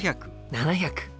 ７００。